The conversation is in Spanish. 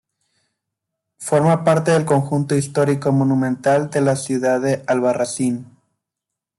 Forma parte del Conjunto Histórico-Monumental de la Ciudad de Albarracín.